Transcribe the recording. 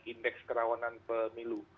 indeks kerawanan pemilu